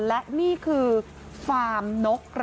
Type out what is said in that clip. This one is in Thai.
และนี่คือฟาร์มนกระ